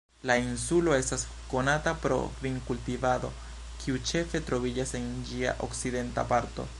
La insulo estas konata pro vinkultivado, kiu ĉefe troviĝas en ĝia okcidenta parto.